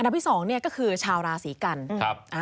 อันดับที่๒ก็คือชาวราศีกรรม